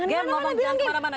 jangan kemana mana gem